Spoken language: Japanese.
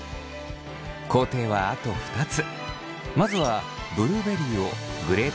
工程はあと２つ。